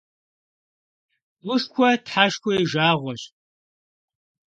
Гушхуэ тхьэшхуэ и жагъуэщ.